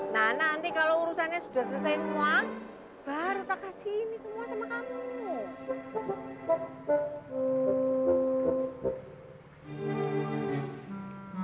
nah nanti kalau urusannya sudah selesai semua baru tak kasih ini semua sama kamu